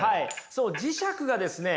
そう磁石がですね